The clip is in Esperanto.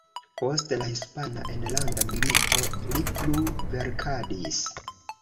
Post la Hispana Enlanda Milito li plu verkadis.